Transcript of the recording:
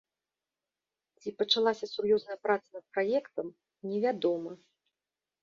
Ці пачалася сур'ёзная праца над праектам, невядома.